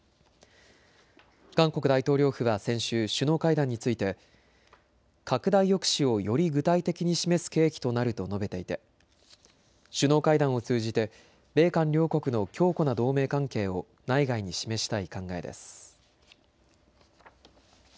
韓国大統領府は先週、首脳会談について拡大抑止を、より具体的に示す契機となると述べていて首脳会談を通じて米韓両国の強固な同盟関係を内外に示したい考えです。